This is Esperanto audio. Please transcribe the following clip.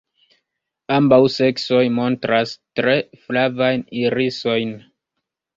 Ambaŭ seksoj montras tre flavajn irisojn.